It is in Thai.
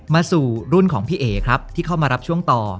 สู่รุ่นของพี่เอ๋ครับที่เข้ามารับช่วงต่อ